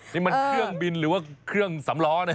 นี่มันเครื่องบินหรือว่าเครื่องสำล้อนะ